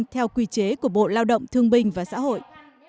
và thực chế của bộ lao động thương binh và xã hội